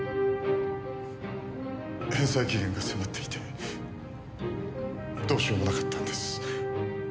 返済期限が迫っていてどうしようもなかったんです。